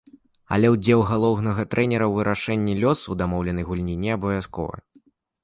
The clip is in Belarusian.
Але ўдзел галоўнага трэнера ў вырашэнні лёсу дамоўленай гульні неабавязковы.